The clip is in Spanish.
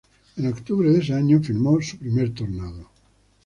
En octubre de ese año, filmó su primer tornado.